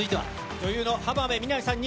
女優の浜辺美波さんに。